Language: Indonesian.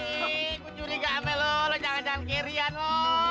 gue curiga sama lo lo jangan jangan kirian lo